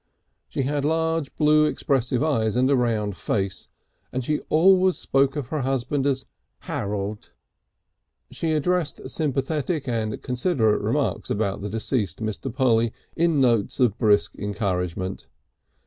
She had large blue expressive eyes and a round face, and she always spoke of her husband as Harold. She addressed sympathetic and considerate remarks about the deceased to Mr. Polly in notes of brisk encouragement.